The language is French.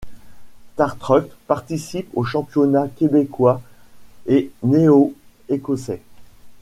Starstruck participe aux championnats québécois et néo-écossais.